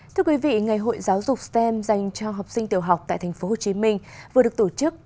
thưa quý vị ngày hội giáo dục stem dành cho học sinh tiểu học tại tp hcm vừa được tổ chức